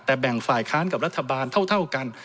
แต่แบ่งฝ่ายค้านกับรัฐบาลเท่ากัน